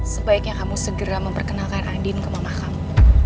sebaiknya kamu segera memperkenalkan andin ke mama kamu